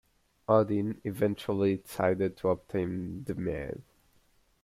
Odin eventually decided to obtain the mead.